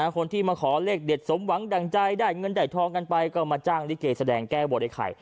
คนที่มาขอเลขเด็ดสมหวังดั่งใจได้เงินได้ทองกันไปก็มาจ้างลิเกแสดงแก้บนไอไข่